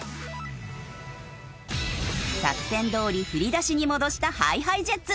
作戦どおり振り出しに戻したＨｉＨｉＪｅｔｓ。